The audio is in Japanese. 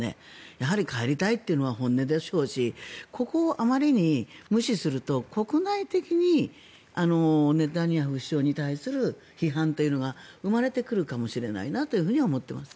やはり帰りたいというのが本音でしょうしここをあまりに無視すると国内的にネタニヤフ首相に対する批判というのが生まれてくるかもしれないなというふうには思っています。